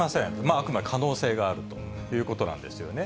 あくまで可能性があるということなんですよね。